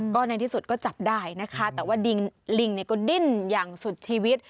ก็ในที่สุดก็จับได้นะคะแต่ว่าลิงก็ดิ้นอย่างสุดชีวิต